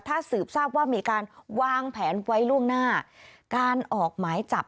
ถ้าสืบทราบว่ามีการวางแผนไว้ล่วงหน้าการออกหมายจับ